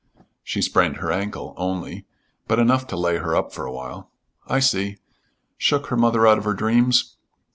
"She sprained her ankle only, but enough to lay her up for a while." "I see. Shook her mother out of her dreams."